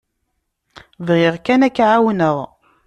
Bɣiɣ kan ad k-εawneɣ.